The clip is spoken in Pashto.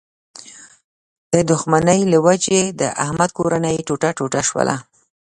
د دوښمنۍ له و جې د احمد کورنۍ ټوټه ټوټه شوله.